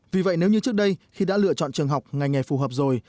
vì vậy nếu như trước đây khi đã lựa chọn trường học ngành nghề phù hợp rồi